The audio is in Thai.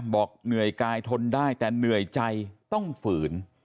บอกเหนื่อยกายทนได้แต่เหนื่อยใจต้องฝืน